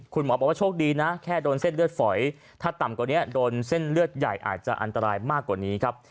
คุณหมอบอกว่าโชคดีนะแค่โดนเส้นเลือดฝอยถ้าต่ำกว่านี้โดนเส้นเลือดใหญ่อาจจะอันตรายมากกว่านี้ครับ